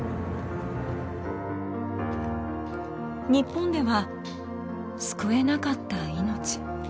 日本では救えなかった命。